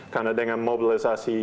karena dengan mobilisasi